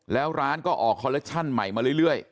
แล้วร้านก็ออกคอลเลคชั่นใหม่มาเรื่อย